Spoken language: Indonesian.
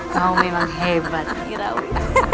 kamu memang hebat kirawi